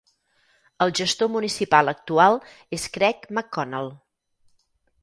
El gestor municipal actual és Craig McConnell.